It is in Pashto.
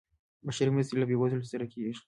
بشري مرستې له بیوزلو سره کیږي